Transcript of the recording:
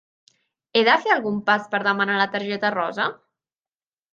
He de fer algun pas per demanar la targeta rosa?